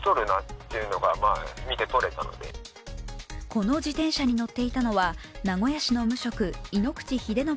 この自転車に乗っていたのは名古屋市の無職井ノ口秀信